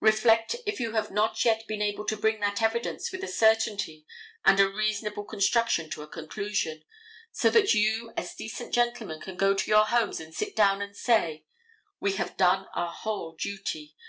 Reflect if you have not yet been able to bring that evidence with a certainty and a reasonable construction to a conclusion, so that you, as decent gentlemen, can go to your homes and sit down and say, "We have done our whole duty.